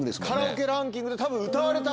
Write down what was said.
カラオケランキングでたぶん。